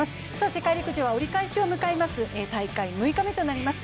世界陸上は折り返しを迎えます、大会６日目となります。